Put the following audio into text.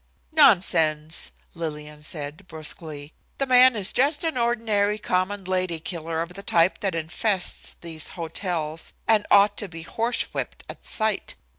"Nonsense," Lillian said, brusquely, "the man is just an ordinary common lady killer of the type that infests these hotels, and ought to be horsewhipped at sight.